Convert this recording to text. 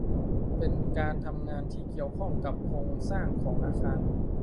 เป็นการทำงานที่เกี่ยวข้องกับโครงสร้างของอาคาร